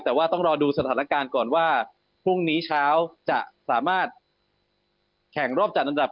แต่ว่าต้องรอดูสถานการณ์ก่อนว่าพรุ่งนี้เช้าจะสามารถแข่งรอบจัดอันดับ